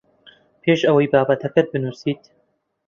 پێش ئەوەی بابەتەکەت بنووسیت